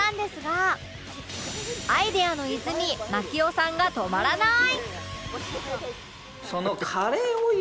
アイデアの泉槙尾さんが止まらない！